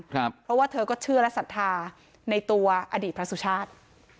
เพราะว่าเธอก็เชื่อและศรัทธาในตัวอดีตพระสุชาติ